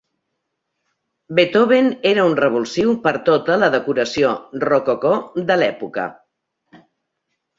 Beethoven era un revulsiu per tota la decoració rococó de l'època.